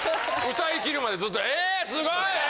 歌い切るまでずっと「えすごい！え！」